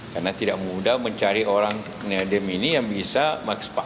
karena tidak mudah mencari orang nadiem ini yang bisa maksimal